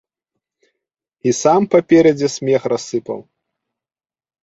І сам паперадзе смех рассыпаў.